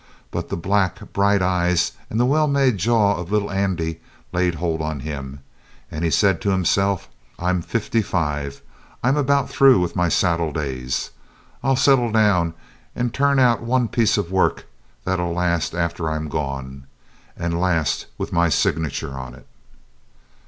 But the black, bright eyes and the well made jaw of little Andy laid hold on him, and he said to himself: "I'm fifty five. I'm about through with my saddle days. I'll settle down and turn out one piece of work that'll last after I'm gone, and last with my signature on it!"